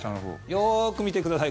よーく見てください